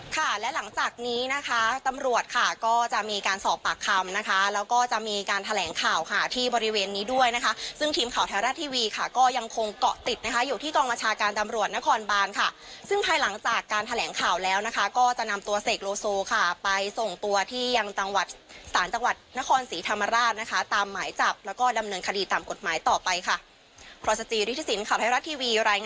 ค่ะและหลังจากนี้นะคะตำรวจค่ะก็จะมีการสอบปากคำนะคะแล้วก็จะมีการแถลงข่าวค่ะที่บริเวณนี้ด้วยนะคะซึ่งทีมข่าวไทยรัฐทีวีค่ะก็ยังคงเกาะติดนะคะอยู่ที่กองประชาการตำรวจนครบานค่ะซึ่งภายหลังจากการแถลงข่าวแล้วนะคะก็จะนำตัวเสกโลโซค่ะไปส่งตัวที่ยังตังหวัดศาลจังหวัดนครสีธร